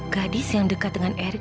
gadis yang dekat dengan r